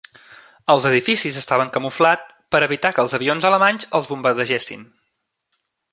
Els edificis estaven camuflat per evitar que els avions alemanys els bombardegessin.